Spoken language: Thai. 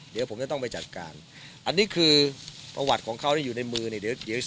เดี๋ยวผมจะต้องไปจัดการอันนี้คือประวัติของเขาที่อยู่ในมือเนี่ยเดี๋ยว